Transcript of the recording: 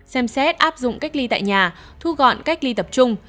xem xét áp dụng cách ly tại nhà thu gọn cách ly tập trung